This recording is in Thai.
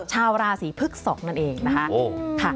ชาวราศีพฤกษกนั่นเองนะคะ